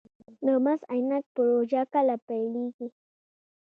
د مس عینک پروژه کله پیلیږي؟